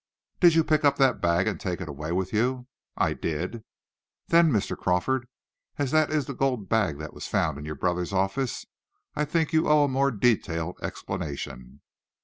"Did you pick up that bag and take it away with you?" "I did." "Then, Mr. Crawford, as that is the gold bag that was found in your brother's office, I think you owe a more detailed explanation."